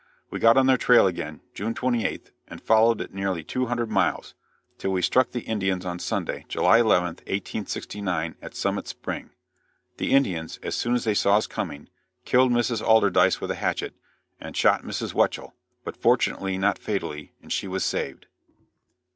We got on their trail again, June 28th, and followed it nearly two hundred miles, till we struck the Indians on Sunday, July 11th, 1869, at Summit Spring. The Indians, as soon as they saw us coming, killed Mrs. Alderdice with a hatchet, and shot Mrs. Weichel, but fortunately not fatally, and she was saved.